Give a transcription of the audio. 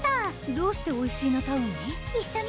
どうしておいしーなタウンに？